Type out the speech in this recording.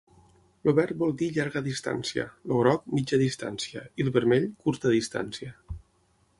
El verd vol dir llarga distància; el groc, mitja distància; i el vermell, curta distància.